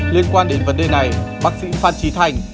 liên quan đến vấn đề này bác sĩ phan trí thành